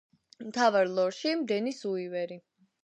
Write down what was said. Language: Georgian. მთავარ როლში დენის უივერი.